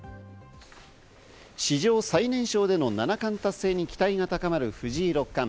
史上最年少での七冠達成に期待が高まる藤井六冠。